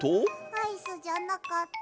アイスじゃなかった。